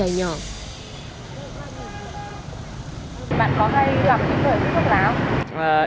bạn có gặp những người thuốc lá không